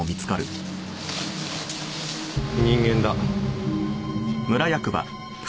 人間だ。